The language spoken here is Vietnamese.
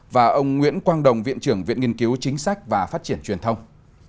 và ông nguyễn quang đồng viện trưởng viện nghiên cứu chính sách và phát triển truyền thông